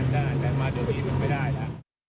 แต่มาด้วยนี้มันไม่ได้ล่ะ